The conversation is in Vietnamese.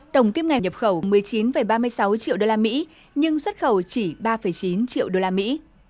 tổng kim ngạch nhập khẩu một mươi chín ba mươi sáu triệu đô la mỹ nhưng xuất khẩu chỉ ba chín triệu đô la mỹ